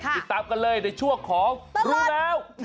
ติดตามกันเลยในช่วงของรู้แล้ว